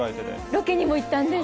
ロケにも行ったんです。